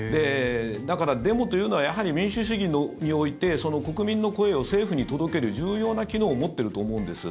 だから、デモというのはやはり民主主義において国民の声を政府に届ける重要な機能を持っていると思うんです。